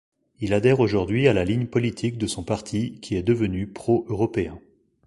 Il adhère aujourd'hui à la ligne politique de son parti qui est devenu pro-européen.